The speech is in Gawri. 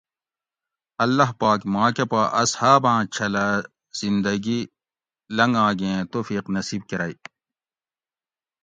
اللّٰہ پاک ما کہ پا اصحاباۤں چھلہ زندگی لنگا گیں توفیق نصیب کرگ